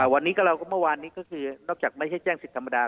วันนี้เราก็เมื่อวานนี้ก็คือนอกจากไม่ใช่แจ้งสิทธิ์ธรรมดา